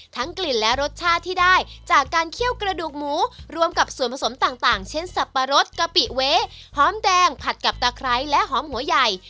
กลิ่นและรสชาติที่ได้จากการเคี่ยวกระดูกหมูรวมกับส่วนผสมต่างเช่นสับปะรดกะปิเว้หอมแดงผัดกับตะไคร้และหอมหัวใหญ่